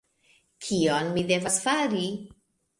Kion mi devas fari?